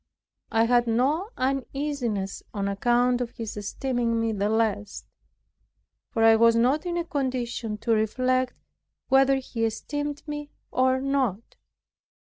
I had no uneasiness on account of his esteeming me the less, for I was not in a condition to reflect whether he esteemed me or not.